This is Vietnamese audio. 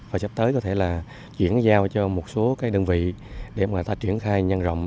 và sắp tới có thể là chuyển giao cho một số cái đơn vị để mà ta triển khai nhân rộng